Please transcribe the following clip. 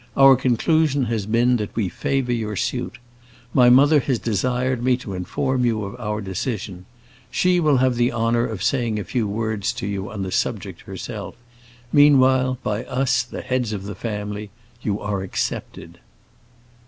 Our conclusion has been that we favor your suit. My mother has desired me to inform you of our decision. She will have the honor of saying a few words to you on the subject herself. Meanwhile, by us, the heads of the family, you are accepted."